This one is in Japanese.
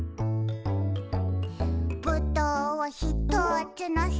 「ぶどうをひとつのせました」